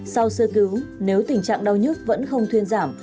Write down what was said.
sau sơ cứu nếu tình trạng đau nhức vẫn không thuyên giảm